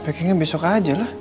packingnya besok aja lah